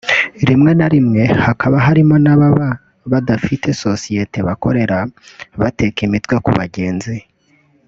rimwe na rimwe hakaba harimo n’ababa badafite sosiyete bakorera bateka imitwe ku bagenzi